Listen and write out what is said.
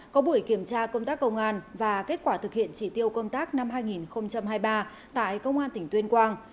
có buổi kiểm tra công tác công an và kết quả thực hiện chỉ tiêu công tác năm hai nghìn hai mươi ba tại công an tỉnh tuyên quang